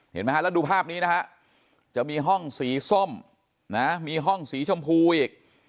เห็นไหมฮะแล้วดูภาพนี้นะฮะจะมีห้องสีส้มนะมีห้องสีชมพูอีก